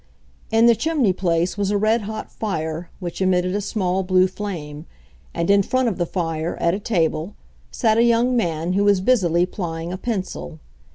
In the chimney place was a red hot fire which emitted a small blue flame; and in front of the fire, at a table, sat a young man who was busily plying a pencil.